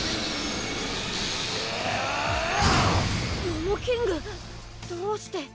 モモキングどうして。